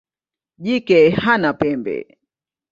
Jike hana pembe.